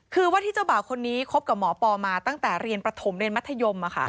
คือว่าที่เจ้าบ่าวคนนี้คบกับหมอปอมาตั้งแต่เรียนประถมเรียนมัธยม